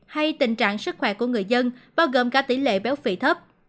hay tình trạng sức khỏe của người dân bao gồm cả tỷ lệ béo phì thấp